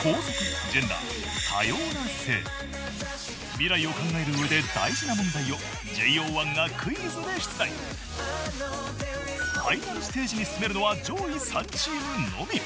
未来を考える上で大事な問題をファイナルステージに進めるのは上位３チームのみ。